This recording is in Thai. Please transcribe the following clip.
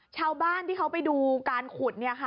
ชาวบ้านที่เขาไปดูการขุด